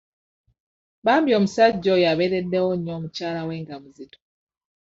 Bambi omusajja oyo abeereddewo nnyo mukyala we nga muzito.